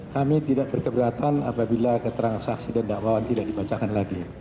kami tidak berkeberatan apabila keterangan saksi dan dakwaan tidak dibacakan lagi